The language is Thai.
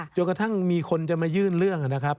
จนกระทั่งมีคนจะมายื่นเรื่อง